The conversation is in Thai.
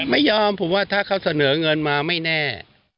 ไม่ยอมผมว่าถ้าเขาเสนอเงินมาไม่แน่